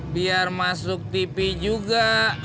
biar masuk tv juga